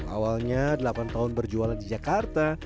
awalnya delapan tahun berjualan di jakarta